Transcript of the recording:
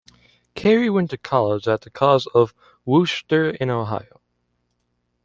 Cary went to college at the College of Wooster in Ohio.